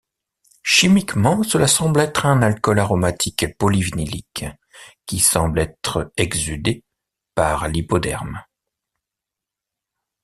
Chimiquement, cela semble être un alcool aromatique polyvinylique, qui semble être exsudé par l'hypoderme.